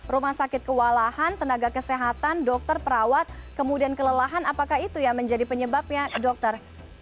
rumah sakit kewalahan tenaga kesehatan dokter perawat kemudian kelelahan apakah itu yang menjadi penyebabnya dokter